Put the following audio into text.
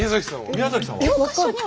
宮崎さんは？